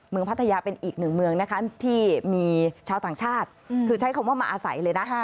พัทยาเป็นอีกหนึ่งเมืองนะคะที่มีชาวต่างชาติคือใช้คำว่ามาอาศัยเลยนะ